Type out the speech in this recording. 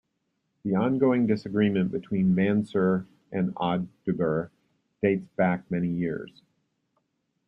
The ongoing disagreement between Mansur and Oduber dates back many years.